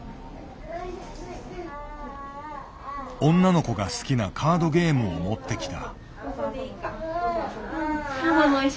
女の子が好きなカードゲームを持ってきた。